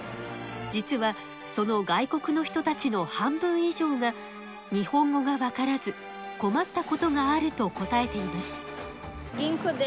じつはその外国の人たちの半分いじょうが日本語がわからず困ったことがあると答えています